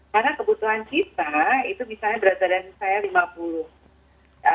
karena kebutuhan kita itu misalnya berat badan saya lima puluh